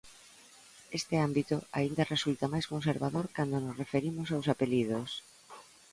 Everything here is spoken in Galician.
Este ámbito aínda resulta máis conservador cando nos referimos aos apelidos.